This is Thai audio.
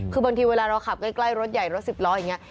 คือบางทีเวลาเราขับใกล้รถใหญ่รถสิบล้ออย่างนี้